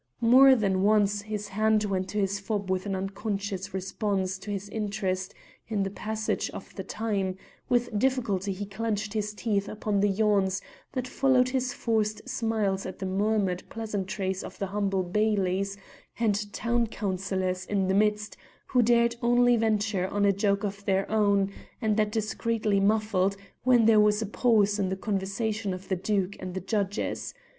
More than once his hand went to his fob with an unconscious response to his interest in the passage of the time; with difficulty he clenched his teeth upon the yawns that followed his forced smiles at the murmured pleasantries of the humble bailies and town councillors in his midst, who dared only venture on a joke of their own, and that discreetly muffled, when there was a pause in the conversation of the Duke and the Judges.